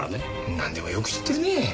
なんでもよく知ってるね。